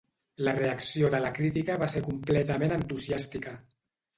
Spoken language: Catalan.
La reacció de la crítica va ser completament entusiàstica.